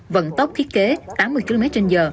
vận tốc thiết kế tám mươi km trên giờ